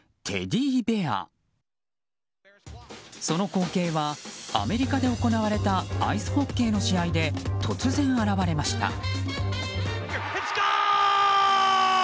その光景はアメリカで行われたアイスホッケーの試合で突然、現われました。